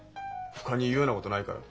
ほかに言うようなことないから。